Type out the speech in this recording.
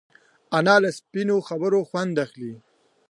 انا له سپینو خبرو خوند اخلي